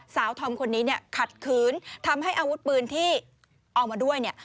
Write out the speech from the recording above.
สาวทอมคนนี้ขัดคืนทำให้อาวุธปืนที่ออกมาด้วย